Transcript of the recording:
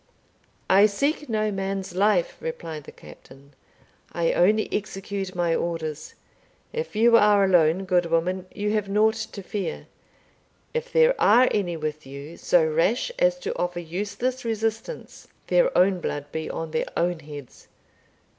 "I seek no man's life," replied the Captain; "I only execute my orders. If you are alone, good woman, you have nought to fear if there are any with you so rash as to offer useless resistance, their own blood be on their own heads.